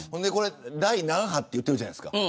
第何波って言っているじゃないですか。